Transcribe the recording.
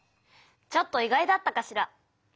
ちょっと意外だったかしら。